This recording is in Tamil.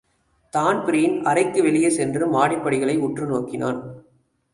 தான்பிரீன் அறைக்கு வெளியே சென்று மாடிப்படிகளை உற்று நோக்கினான்.